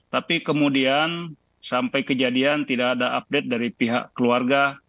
tapi kemudian sampai kejadian tidak ada update dari pihak keluarga